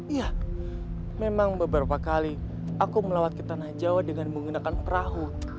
ya memang beberapa kali aku melawat ke tanah jawa dengan menggunakan perahu